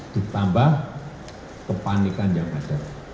ditambah kepanikan yang ada